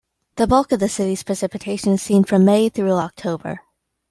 The bulk of the city's precipitation is seen from May through October.